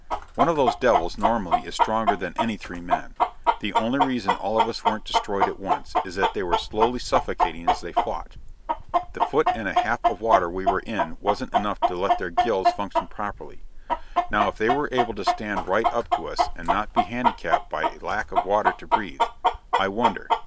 "One of those devils, normally, is stronger than any three men. The only reason all of us weren't destroyed at once is that they were slowly suffocating as they fought. The foot and a half of water we were in wasn't enough to let their gills function properly. Now if they were able to stand right up to us and not be handicapped by lack of water to breathe ... I wonder....